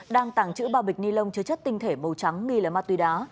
đang tàng trữ ba bịch ni lông chứa chất tinh thể màu trắng nghi là ma túy đá